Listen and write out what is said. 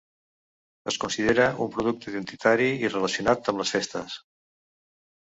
Es considera un producte identitari i relacionat amb les festes.